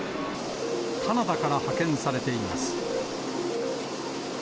カナダから派遣されています。